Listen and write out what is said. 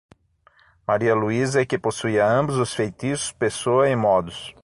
Maria Luísa é que possuía ambos os feitiços, pessoa e modos.